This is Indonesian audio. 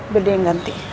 gede yang ganti